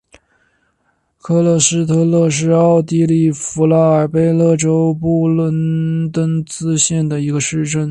克勒施特勒是奥地利福拉尔贝格州布卢登茨县的一个市镇。